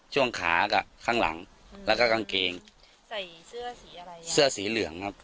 ช่วงขากับข้างหลังแล้วก็กางเกงใส่เสื้อสีอะไรเสื้อสีเหลืองครับ